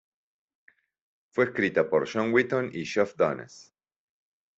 Fue escrita por John Wetton y Geoff Downes.